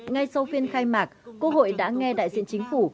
ngay sau phiên khai mạc quốc hội đã nghe đại diện chính phủ